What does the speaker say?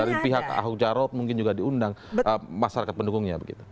dari pihak ahok jarot mungkin juga diundang masyarakat pendukungnya begitu